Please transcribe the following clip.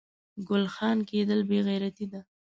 ګل خان کیدل بې غیرتي ده